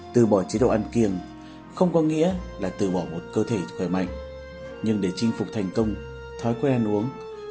từ bỏ chế độ ăn kiêng không có nghĩa là từ bỏ một cơ thể khỏe mạnh nhưng để chinh phục thành công thói quen uống